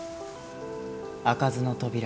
開かずの扉